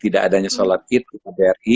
tidak adanya sholat id